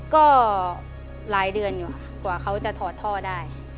ก็หลายเดือนอยู่กว่าเขาจะถอดท่อได้